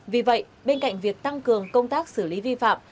vì vậy bên cạnh việc tăng cường công tác xử lý vi phạm